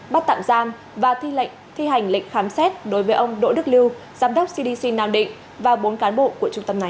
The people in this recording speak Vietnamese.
bắt tạm gian và thi hành lệnh khám xét đối với ông đỗ đức lưu giám đốc cdc nam định và bốn cán bộ của trung tâm này